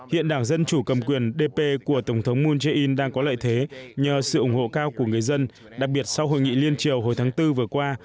hiện đảng dân chủ cầm quyền dp của tổng thống moon jae in đang có lợi thế nhờ sự ủng hộ cao của người dân đặc biệt sau hội nghị liên triều hồi tháng bốn vừa qua